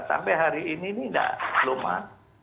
sampai hari ini ini tidak lemah